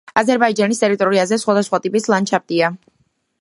აზერბაიჯანის ტერიტორიაზე სხვადასხვა ტიპის ლანდშაფტია.